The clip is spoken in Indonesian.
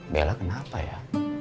bella kenapa ya